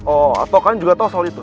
oh atau kalian juga tahu soal itu